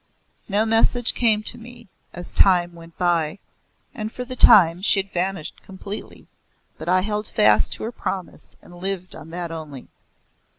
No message came to me, as time went by, and for the time she had vanished completely, but I held fast to her promise and lived on that only.